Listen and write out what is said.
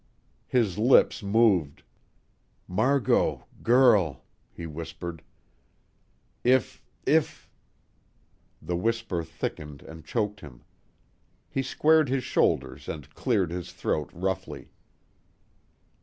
His lips moved: "Margot girl," he whispered, "if if " the whisper thickened and choked him. He squared his shoulders and cleared his throat roughly.